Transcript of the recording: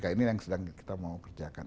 ini yang sedang kita mau kerjakan